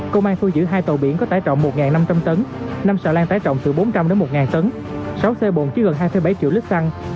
công an thu giữ hai tàu biển có tải trọng một năm trăm linh tấn năm xà lan tái trọng từ bốn trăm linh đến một tấn sáu xe bồn chứa gần hai bảy triệu lít xăng